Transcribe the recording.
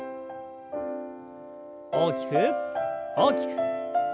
大きく大きく。